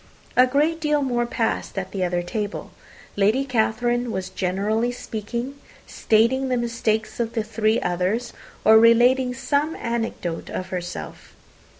A great deal more passed at the other table. Lady Catherine was generally speaking stating the mistakes of the three others, or relating some anecdote of herself.